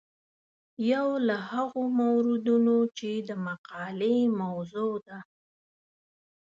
یو له هغو موردونو چې د مقالې موضوع ده.